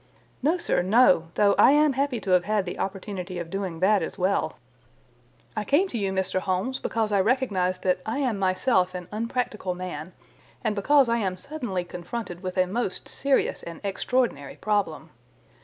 "No, sir, no; though I am happy to have had the opportunity of doing that as well. I came to you, Mr. Holmes, because I recognized that I am myself an unpractical man and because I am suddenly confronted with a most serious and extraordinary problem.